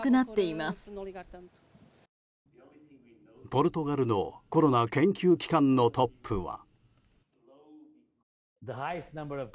ポルトガルのコロナ研究機関のトップは。